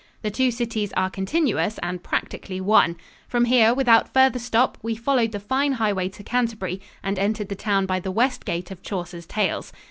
The two cities are continuous and practically one. From here, without further stop, we followed the fine highway to Canterbury and entered the town by the west gate of Chaucer's Tales.